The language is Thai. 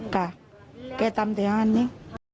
กะแกตามตัวอย่างนี้